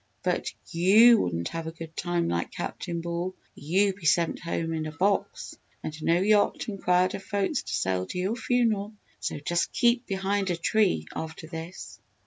"But you wouldn't have a good time like Captain Ball! You'd be sent home in a box and no yacht and crowd of folks to sail to your funeral! So, just keep behind a tree after this!"